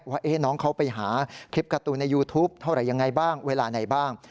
ว่าน้องเขาไปหาคลิปการ์ตูนในยูทูปเท่าไหร่ยังไงบ้างเวลาไหนบ้าง